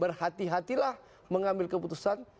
berhati hatilah mengambil keputusan